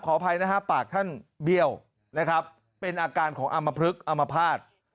อภัยนะฮะปากท่านเบี้ยวนะครับเป็นอาการของอำมพลึกอมภาษณ์